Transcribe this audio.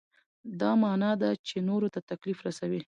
دا معنا ده چې نورو ته تکلیف رسوئ.